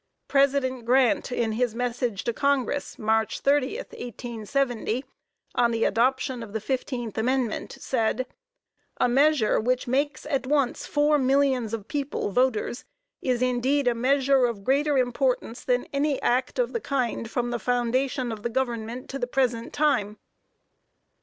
President Grant, in his message to Congress March 30th, 1870, on the adoption of the fifteenth amendment, said: "A measure which makes at once four millions of people voters, is indeed a measure of greater importance than any act of the kind from the foundation of the Government to the present time."